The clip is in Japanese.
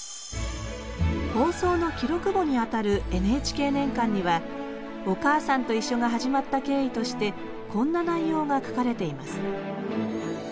放送の記録簿にあたる「ＮＨＫ年鑑」には「おかあさんといっしょ」が始まった経緯としてこんな内容が書かれています。